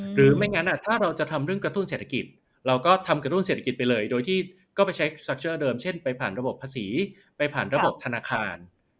หรือไม่งั้นถ้าเราจะทำเรื่องกระตุ้นเศรษฐกิจเราก็ทำกระตุ้นเศรษฐกิจไปเลยโดยที่ก็ไปใช้สตักเจอร์เดิมเช่นไปผ่านระบบภาษีไปผ่านระบบธนาคาร